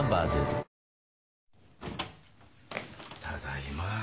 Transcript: ただいま。